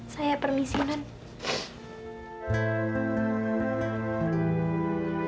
saya permisi nyonya